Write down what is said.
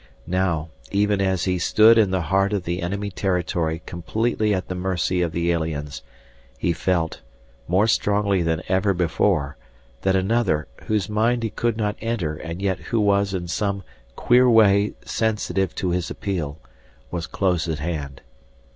Now, even as he stood in the heart of the enemy territory completely at the mercy of the aliens, he felt, more strongly than ever before, that another, whose mind he could not enter and yet who was in some queer way sensitive to his appeal, was close at hand.